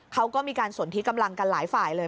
เขาก็มีการสนที่กำลังกันหลายฝ่ายเลย